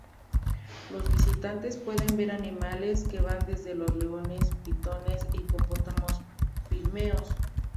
Los visitantes pueden ver animales que van desde los leones, pitones e hipopótamos pigmeos.